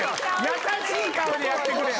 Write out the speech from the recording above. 優しい顔でやってくれよ。